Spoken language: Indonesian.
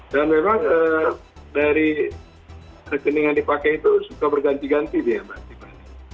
dan memang dari rekening yang dipakai itu suka berganti ganti dia